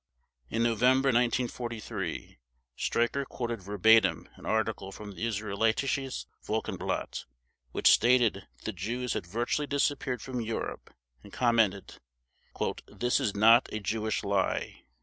In November 1943 Streicher quoted verbatim an article from the Israelitisches Wochenblatt which stated that the Jews had virtually disappeared from Europe, and commented "This is not a Jewish lie."